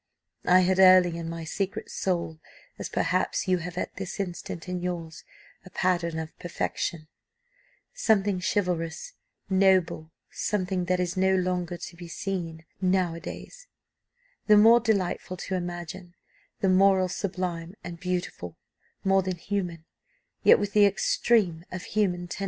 I had early, in my secret soul, as perhaps you have at this instant in yours, a pattern of perfection something chivalrous, noble, something that is no longer to be seen now a days the more delightful to imagine, the moral sublime and beautiful; more than human, yet with the extreme of human tenderness.